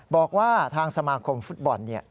บอกว่าทางสมาคมฟุตบอล